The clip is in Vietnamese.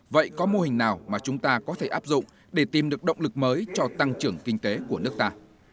vậy có mô hình nào mà chúng ta có thể áp dụng để tìm được động lực mới cho tăng trưởng kinh tế của nước ta